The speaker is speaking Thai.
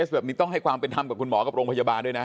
แบบนี้ต้องให้ความเป็นธรรมกับคุณหมอกับโรงพยาบาลด้วยนะ